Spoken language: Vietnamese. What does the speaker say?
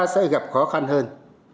sẽ gặp khó khăn hơn